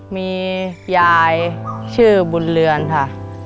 มียายชื่อบุญเรือนค่ะ